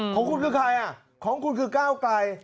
ของคุณคือใครอ่ะของคุณคือก้าวไกล